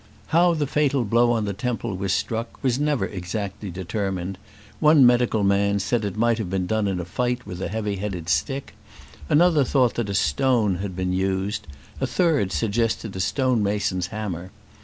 How the fatal blow on the temple was struck was never exactly determined: one medical man said it might have been done in a fight with a heavy headed stick; another thought that a stone had been used; a third suggested a stone mason's hammer.